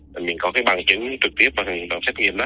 rồi mình có cái bằng chứng trực tiếp vào hình đoạn xét nghiệm đó